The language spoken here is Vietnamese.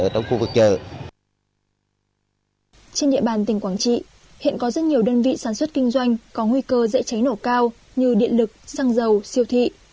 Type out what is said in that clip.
trên địa bàn tỉnh quảng trị hiện có rất nhiều đơn vị sản xuất kinh doanh có nguy cơ dễ cháy nổ cao như điện lực xăng dầu siêu thị